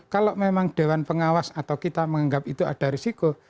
kalau memang dewan pengawas atau kita menganggap itu ada risiko